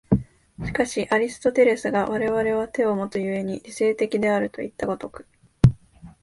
しかしアリストテレスが我々は手をもつ故に理性的であるといった如く